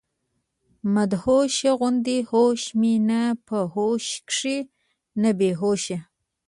مدهوشه غوندي هوش مي نۀ پۀ هوش کښې نۀ بي هوشه